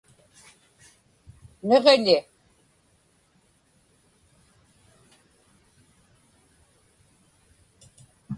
Niġiḷi